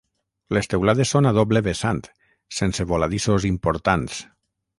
Les teulades són a doble vessant, sense voladissos importants.